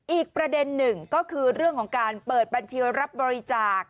อีกประเด็นหนึ่งก็คือเรื่องของการเปิดบัญชีรับบริจาค